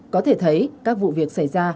có thể thấy các vụ việc xảy ra